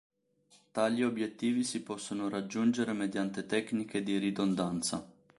Tali obiettivi si possono raggiungere mediante tecniche di ridondanza.